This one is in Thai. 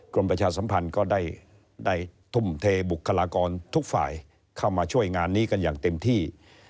ประชาสัมพันธ์ก็ได้ทุ่มเทบุคลากรทุกฝ่ายเข้ามาช่วยงานนี้กันอย่างเต็มที่